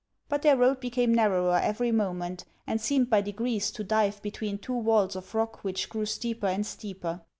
But their road became narrower every moment, and seemed by degrees to dive between two walls of rock which grew steeper and steeper.